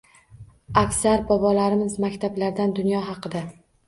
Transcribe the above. Aksar bolalarimiz maktablarimizdan dunyo haqida